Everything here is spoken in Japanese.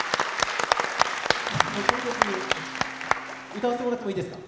歌わせてもらってもいいですか？